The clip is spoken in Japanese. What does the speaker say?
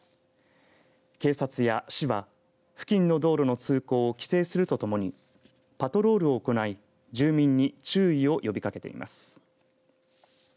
警察や市は付近の道路の通行を規制するとともにパトロールを行い住民に注意を呼びかけています。